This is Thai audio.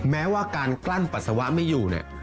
แม้ว่าการกลั้นปัสสาวะไม่อยู่เนี่ย